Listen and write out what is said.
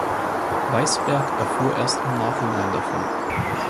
Weissberg erfuhr erst im Nachhinein davon.